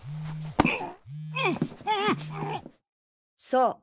そう。